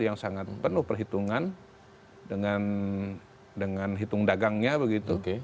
yang sangat penuh perhitungan dengan hitung dagangnya begitu